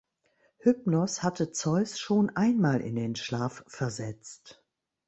Hypnos hatte Zeus schon einmal in den Schlaf versetzt.